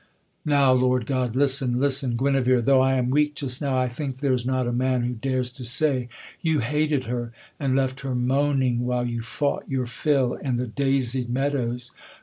'Now, Lord God, listen! listen, Guenevere, Though I am weak just now, I think there's not A man who dares to say: You hated her, And left her moaning while you fought your fill In the daisied meadows!